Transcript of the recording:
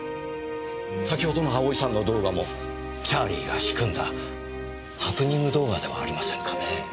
先ほどの葵さんの動画も「Ｃｈａｒｌｉｅ」が仕組んだハプニング動画ではありませんかねぇ。